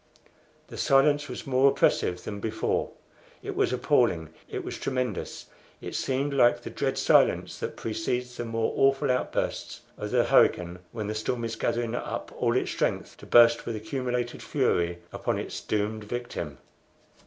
The silence was more oppressive than before; it was appalling it was tremendous! It seemed like the dread silence that precedes the more awful outburst of the hurricane when the storm is gathering up all its strength to burst with accumulated fury upon its doomed victim.